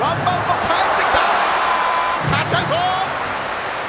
タッチアウト！